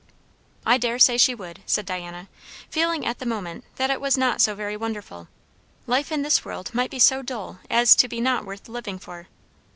"I daresay she would," said Diana, feeling at the moment that it was not so very wonderful. Life in this world might be so dull as to be not worth living for.